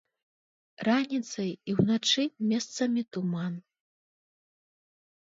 Раніцай і ўначы месцамі туман.